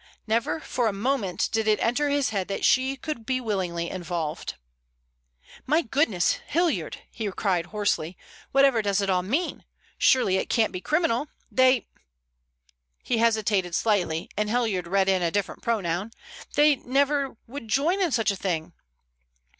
Never for a moment did it enter his head that she could be willingly involved. "My goodness! Hilliard," he cried hoarsely, "whatever does it all mean? Surely it can't be criminal? They,"—he hesitated slightly, and Hilliard read in a different pronoun—"they never would join in such a thing."